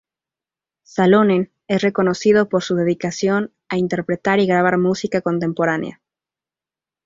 Salonen es reconocido por su dedicación a interpretar y grabar música contemporánea.